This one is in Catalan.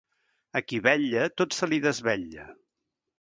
Al qui vetlla, tot se li desvetlla.